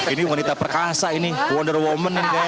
ini wanita perkasa ini wonder woman ini kayaknya